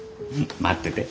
待ってて。